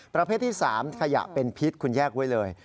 ประเภทที่๓ขยะเป็นพิษคุณแยกไว้เลย